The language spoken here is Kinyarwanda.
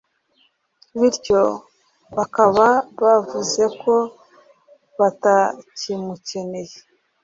bityo bakaba bavuze ko batakimukeneye